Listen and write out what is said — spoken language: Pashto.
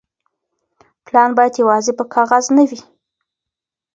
پلان بايد يوازي په کاغذ نه وي.